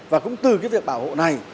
và cũng từ cái việc bảo hộ này